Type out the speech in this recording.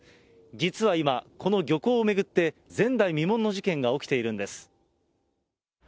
実は今、この漁港を巡って、前代未聞の事件が起きているんです。